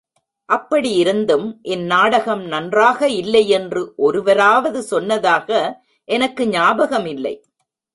அப்படியிருந்தும் இந்நாடகம் நன்றாக இல்லையென்று ஒருவராவது சொன்னதாக எனக்கு ஞாபகமில்லை.